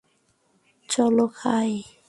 চলো, খাই।